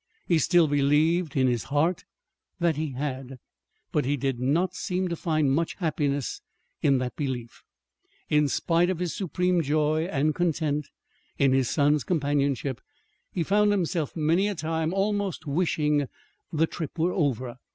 He still believed, in his heart, that he had. But he did not seem to find much happiness in that belief. In spite of his supreme joy and content in his son's companionship, he found himself many a time almost wishing the trip were over.